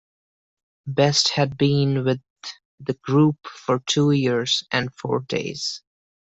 Best had been with the group for two years and four days.